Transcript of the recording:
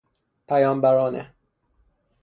پیام برانه